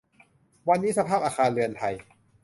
วันนี้สภาพอาคารเรือนไทย